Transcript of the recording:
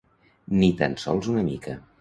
Ni tan sols una mica.